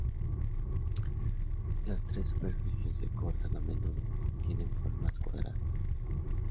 Las tres superficies se cortan a menudo tienen formas cuadradas.